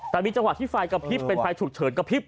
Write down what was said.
แต่มีจังหวะที่ไฟกระพริบเป็นไฟฉุกเฉินกระพริบ